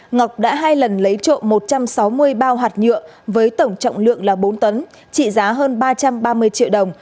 ngọc đã hai lần lấy trộm một trăm sáu mươi bao hạt nhựa với tổng trọng lượng là bốn tấn trị giá hơn ba trăm ba mươi triệu đồng